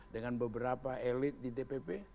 dengan beberapa elit di dpp